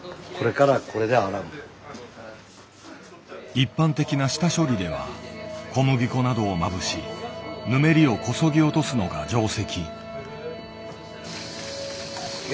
一般的な下処理では小麦粉などをまぶしぬめりをこそぎ落とすのが定石。